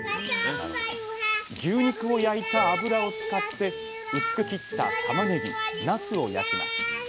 牛肉を焼いた脂を使って薄く切ったたまねぎなすを焼きます。